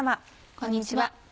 こんにちは。